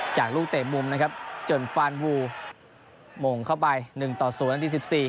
จากลูกเตะมุมนะครับจนฟานวูหม่งเข้าไป๑ต่อ๐นาที๑๔